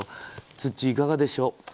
ツッチー、いかがでしょう？